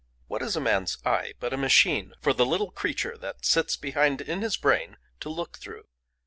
What is a man's eye but a machine for the little creature that sits behind in his brain to look through?